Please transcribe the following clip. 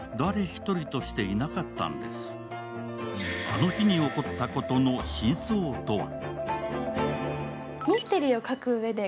あの日に起こったことの真相とは？